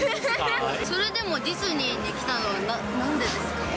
それでもディズニーに来たのはなんでですか？